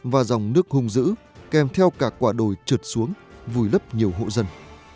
và dòng nước hung dữ kèm theo cả quả đồi trượt xuống vùi lấp nhiều hộ dân